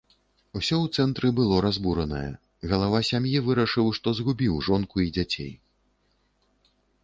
Усё ў цэнтры было разбуранае, галава сям'і вырашыў, што згубіў жонку і дзяцей.